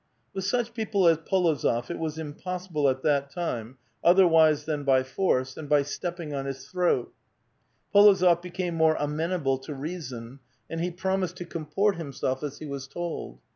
With such people as P6lozof it was impossible at that time, otherwise than by force, and by stepping on his throat. P61o zof became more amenable to reason, and he promised to comport himself as he was told.